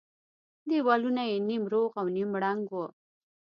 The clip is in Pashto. دېوالونه يې نيم روغ او نيم ړنگ وو.